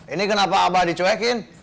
ini kenapa abah dicuekin